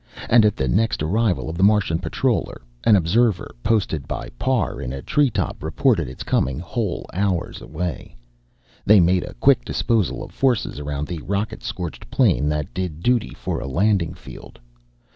And at the next arrival of the Martian patroller an observer, posted by Parr in a treetop, reported its coming whole hours away they made a quick disposal of forces around the rocket scorched plain that did duty for a landing field.